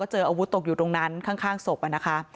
เจออาวุธตกอยู่ตรงนั้นข้างศพนะคะ